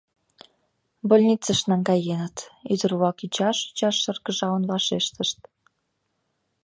— Больницыш наҥгаеныт, — ӱдыр-влак ӱчаш-ӱчаш шыргыжалын вашештышт.